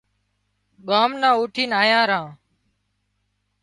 ڳام نان اُوٺينَ آيان ران